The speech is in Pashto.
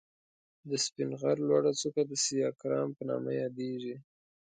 د سپين غر لوړه څکه د سيکارام په نوم ياديږي.